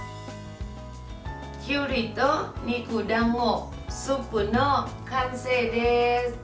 きゅうりと肉だんごスープの完成です。